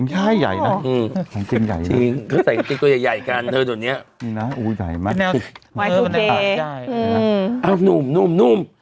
ตัวใหญ่เมืองเกงลายใหญ่นะ